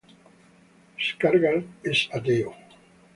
Skarsgård es ateo.